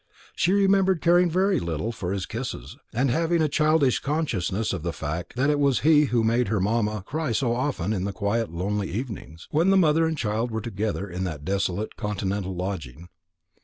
She remembered caring very little for his kisses, and having a childish consciousness of the fact that it was he who made her mamma cry so often in the quiet lonely evenings, when the mother and child were together in that desolate continental lodging.